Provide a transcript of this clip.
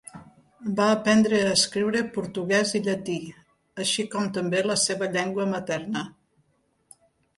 Va aprendre a escriure portuguès i llatí, així com també la seva llengua materna.